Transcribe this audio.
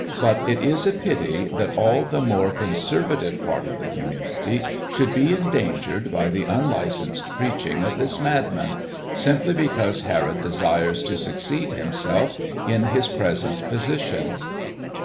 But it is a pity that all the more conservative part of the community should be endangered by the unlicensed preaching of this madman, simply because Herod desires to succeed himself in his present position."